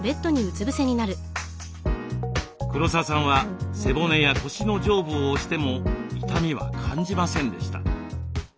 黒沢さんは背骨や腰の上部を押しても痛みは感じませんでした。